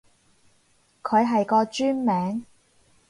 佢係個專名